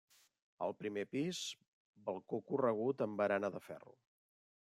Al primer pis, balcó corregut amb barana de ferro.